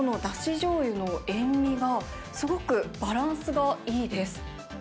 じょうゆの塩味が、すごくバランスがいいです。